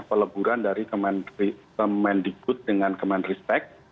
peleburan dari kementerian digbud dengan kementerian ristek